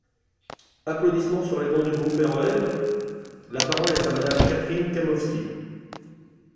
(Applaudissements sur les bancs du groupe REM.) La parole est à Madame Catherine Kamowski.